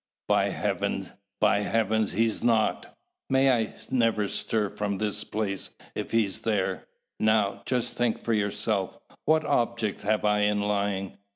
"By Heaven, by Heaven, he's not! May I never stir from this place if he's there! Now, just think for yourself, what object have I in lying?